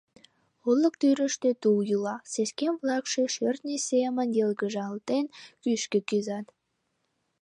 Олык тӱрыштӧ тул йӱла, сескем-влакше, шӧртньӧ семын йылгыжалтен, кӱшкӧ кӱзат.